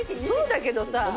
そうだけどさ。